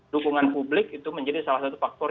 dukungan publik itu menjadi salah satu faktor